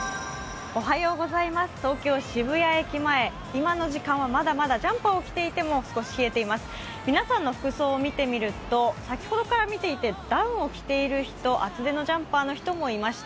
東京・渋谷駅前、今の時間はまだまだジャンパーを着ていても少し冷えています、皆さんの服装を見ていると、先ほどから見ていてダウンを着ている人、厚手のジャンパーの人もいました。